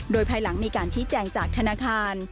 โดยภายหลังมีการชี้แจงจากธนาคาร